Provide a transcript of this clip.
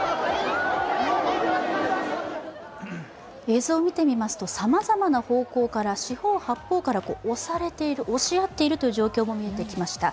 映像を見てみますとさまざまな方向から、四方八方から押されている、押し合っているという状況も見えてきました。